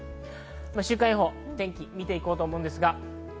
週間予報、天気を見て行こうと思います。